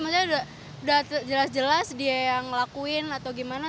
maksudnya udah jelas jelas dia yang ngelakuin atau gimana